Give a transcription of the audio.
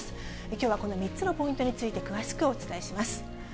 きょうはこの３つのポイントについて詳しくお伝えします。